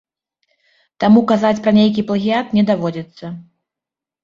Таму казаць пра нейкі плагіят не даводзіцца.